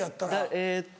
えっと。